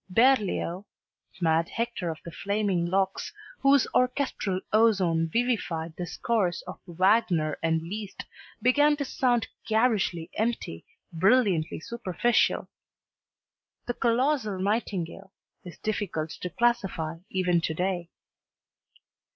Berlioz, mad Hector of the flaming locks, whose orchestral ozone vivified the scores of Wagnerand Liszt, began to sound garishly empty, brilliantly superficial; "the colossal nightingale" is difficult to classify even to day.